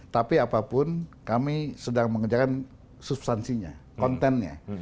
tapi apapun kami sedang mengerjakan substansinya kontennya